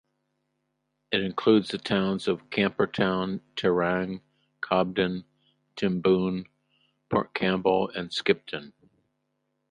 It includes the towns of Camperdown, Terang, Cobden, Timboon, Port Campbell and Skipton.